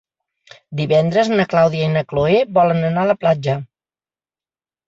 Divendres na Clàudia i na Cloè volen anar a la platja.